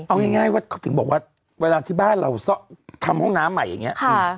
เอาง่ายว่าเขาถึงบอกว่าเวลาที่บ้านเราทำห้องน้ำใหม่อย่างนี้